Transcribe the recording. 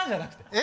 え？